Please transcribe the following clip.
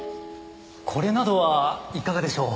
これなどはいかがでしょう？